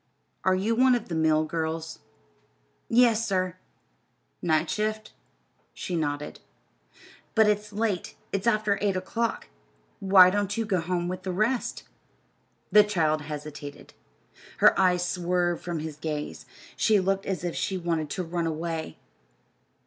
"Are you one of the mill girls?" "Yes, sir." "Night shift?" She nodded. "But it's late it's after eight o'clock. Why didn't you go home with the rest?" The child hesitated. Her eyes swerved from his gaze. She looked as if she wanted to run away.